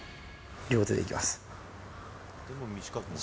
両手でいきます。